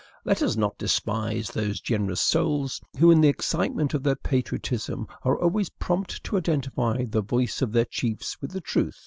let us not despise those generous souls, who in the excitement of their patriotism are always prompt to identify the voice of their chiefs with the truth.